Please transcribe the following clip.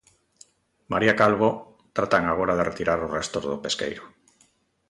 María Calvo, tratan agora de retirar os restos do pesqueiro.